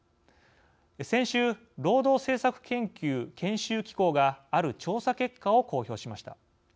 先週、労働政策研究・研修機構がある調査結果を公表しました。